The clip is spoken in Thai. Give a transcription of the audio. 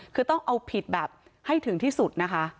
คือต้องเอาผิดแบบให้ถึงที่สุดนะคะ